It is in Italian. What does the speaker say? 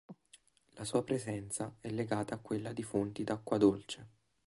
La sua presenza è legata a quella di fonti d'acqua dolce.